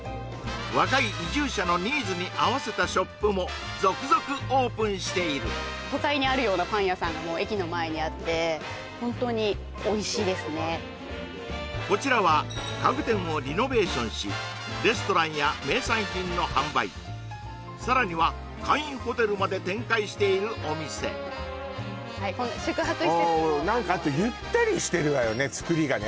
若い移住者のニーズに合わせたショップも続々オープンしている都会にあるようなパン屋さんがもう駅の前にあって本当においしいですねこちらは家具店をリノベーションしレストランや名産品の販売さらには簡易ホテルまで展開しているお店はいこんな宿泊施設もあるような造りがね